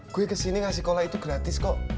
gue kesini ngasih kola itu gratis kok